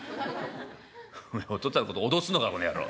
「おめえお父っつぁんのこと脅すのかこの野郎。